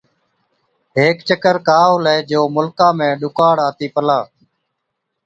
هيڪ چڪر ڪا هُلَي جو مُلڪا ۾ ڏُڪاڙ آتِي پلا۔